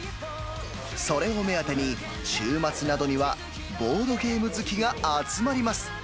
それを目当てに、週末などにはボードゲーム好きが集まります。